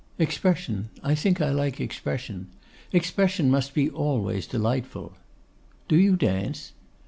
'Expression; I think I like expression. Expression must be always delightful.' 'Do you dance?